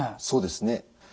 そうですね。